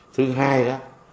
thứ hai đó